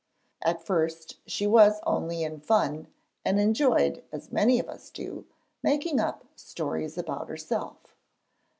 At first she was only in fun, and enjoyed, as many of us do, making up stories about herself.